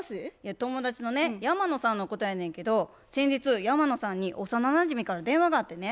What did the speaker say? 友達のね山野さんのことやねんけど先日山野さんに幼なじみから電話があってね。